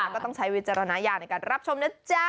ก็ต้องใช้วิจารณญาณในการรับชมนะจ๊ะ